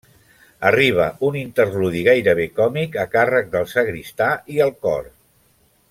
Arriba un interludi gairebé còmic a càrrec del sagristà i el cor.